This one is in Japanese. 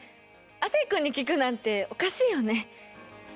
亜生君に聞くなんておかしいよね。